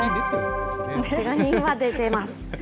けが人は出ています。